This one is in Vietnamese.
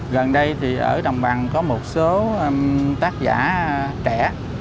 gần đây thì ở đồng bằng có một số tác giả trẻ